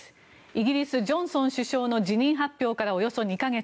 イギリス、ジョンソン首相の辞任発表からおよそ２か月。